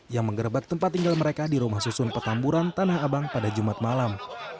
yang mengerebak tempat tinggal mereka di rumah susun petamburan tanah abang pada jumat malam